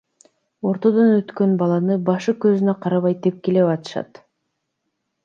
Ортодон өткөн баланы башы көзүнө карабай тепкилеп атышат.